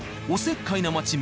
おせっかいな街